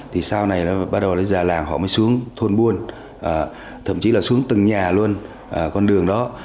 thì sau này bắt đầu bây giờ làng họ mới xuống thôn buôn thậm chí là xuống từng nhà luôn con đường đó